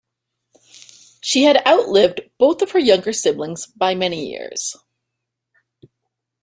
She had outlived both of her younger siblings by many years.